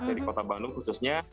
dari kota bandung khususnya